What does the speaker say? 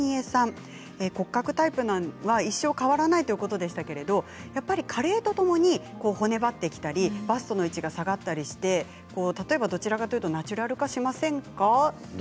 骨格タイプは一生変わらないということでしたけれどもやっぱり加齢とともに骨張ってきたりバストの位置が下がったりしてどちらかというとナチュラル化しませんか？